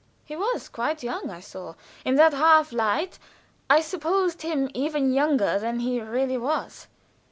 He was quite young, I saw. In that half light I supposed him even younger than he really was.